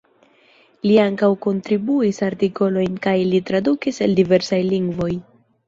Li ankaŭ kontribuis artikolojn kaj li tradukis el diversaj lingvoj.